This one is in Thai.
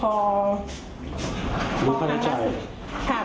พอครั้งล่าสุด